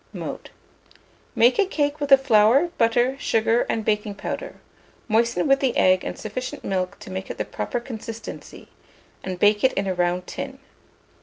Mode. Make a cake with the flour, butter, sugar, and baking powder; moisten with the egg and sufficient milk to make it the proper consistency, and bake it in a round tin.